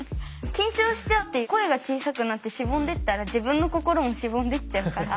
緊張しちゃって声が小さくなってしぼんでいったら自分の心もしぼんでいっちゃうから。